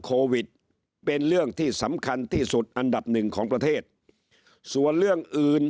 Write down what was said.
โควิดเป็นเรื่องที่สำคัญที่สุดอันดับหนึ่งของประเทศส่วนเรื่องอื่น